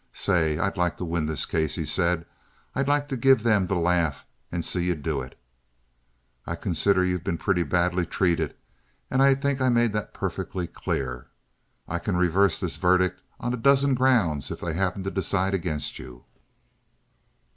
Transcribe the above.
Say, I'd like to win this case," he said. "I'd like to give them the laugh and see you do it. I consider you've been pretty badly treated, and I think I made that perfectly clear. I can reverse this verdict on a dozen grounds if they happen to decide against you."